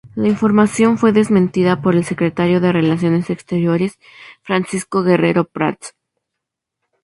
La información fue desmentida por el Secretario de Relaciones Exteriores Francisco Guerrero Prats.